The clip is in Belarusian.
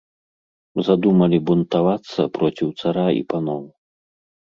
Задумалі бунтавацца проціў цара і паноў.